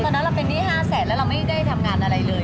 ตอนนั้นเราเป็นหนี้๕แสนแล้วเราไม่ได้ทำงานอะไรเลย